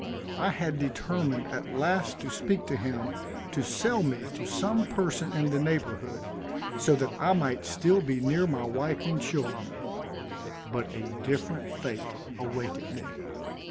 I had determined at last to speak to him to sell me to some person in the neighborhood, so that I might still be near my wife and children but a different fate awaited me.